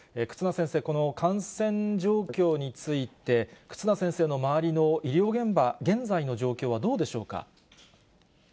忽那先生、この感染状況について、忽那先生の周りの医療現場、現在の状況はどうでしょうか。